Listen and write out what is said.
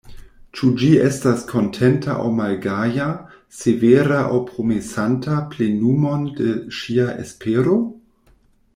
Ĉu ĝi estas kontenta aŭ malgaja, severa aŭ promesanta plenumon de ŝia espero?